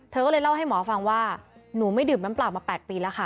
ก็เลยเล่าให้หมอฟังว่าหนูไม่ดื่มน้ำเปล่ามา๘ปีแล้วค่ะ